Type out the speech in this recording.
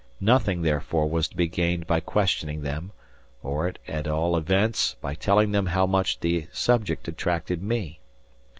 Nothing, therefore, was to be gained by questioning them, or, at all events, by telling them how much the subject attracted me.